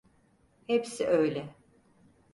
Hepsi öyle.